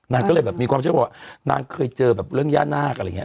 นางก็เลยแบบมีความเชื่อว่านางเคยเจอแบบเรื่องย่านาคอะไรอย่างนี้